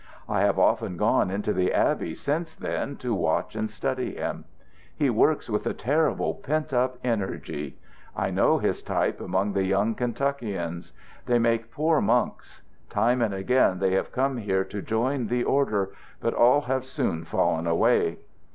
I have often gone into the abbey since then, to watch and study him. He works with a terrible pent up energy. I know his type among the young Kentuckians. They make poor monks. Time and again they have come here to join the order. But all have soon fallen away.